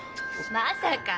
まさか！